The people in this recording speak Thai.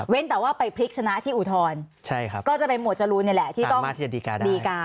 แต่ว่าไปพลิกชนะที่อุทธรณ์ก็จะเป็นหวดจรูนนี่แหละที่ต้องดีการ